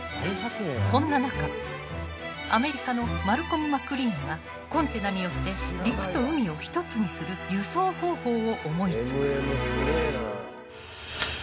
そんな中アメリカのマルコム・マクリーンがコンテナによって陸と海を１つにする輸送方法を思いつく。